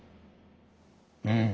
うん。